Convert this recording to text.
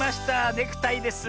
ネクタイです。